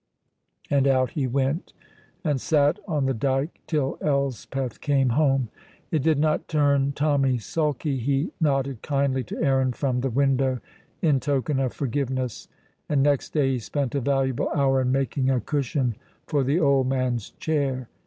And out he went, and sat on the dyke till Elspeth came home. It did not turn Tommy sulky. He nodded kindly to Aaron from the window in token of forgiveness, and next day he spent a valuable hour in making a cushion for the old man's chair.